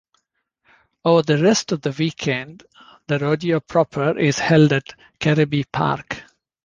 Over the rest of the weekend the rodeo proper is held at Kerribee Park.